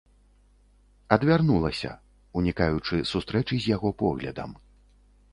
Адвярнулася, унікаючы стрэчы з яго поглядам.